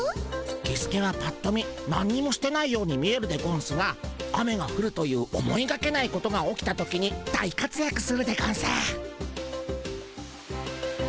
キスケはぱっと見なんにもしてないように見えるでゴンスが雨がふるという思いがけないことが起きた時に大かつやくするでゴンス。